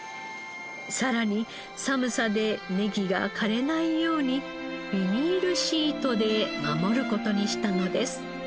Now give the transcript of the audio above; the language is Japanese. さらに寒さでネギが枯れないようにビニールシートで守る事にしたのです。